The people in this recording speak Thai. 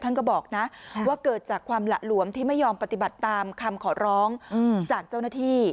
ท่านก็บอกนะว่าเกิดจากความหละหลวมที่ไม่ยอมปฏิบัติตามคำขอร้องจากเจ้าหน้าที่